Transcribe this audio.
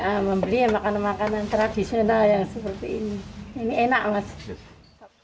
jadi kalau membeli makanan makanan tradisional yang seperti ini